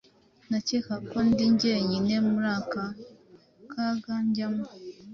Ndakeka ko ndi njyenyine muri aka kaga njyamo